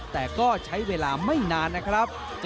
แต่ก็ใช้เวลาไม่นานนะครับ